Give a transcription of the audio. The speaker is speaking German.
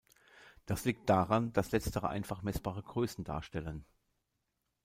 Das liegt daran, dass letztere einfach messbare Größen darstellen.